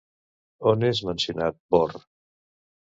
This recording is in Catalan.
On és mencionat, Borr?